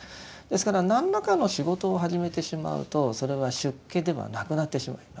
ですから何らかの仕事を始めてしまうとそれは出家ではなくなってしまいます。